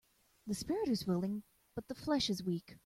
The spirit is willing but the flesh is weak.